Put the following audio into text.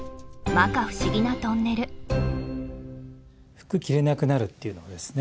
服が着れなくなるっていうのはですね